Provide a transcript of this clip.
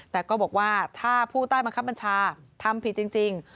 แต่ก็บอกว่าถ้าผู้ใต้บังคับบัญชาทำผิดจริง